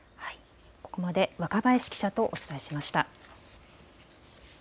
ここまで若林記者とお伝えしました。